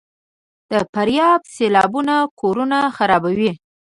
د فاریاب سیلابونه کورونه خرابوي؟